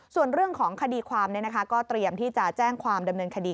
ส่วนเรื่องของคดีความก็เตรียมที่จะแจ้งความดำเนินคดี